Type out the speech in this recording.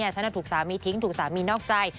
ฉันถูกสามีทิ้งถูกสามีนอกใจ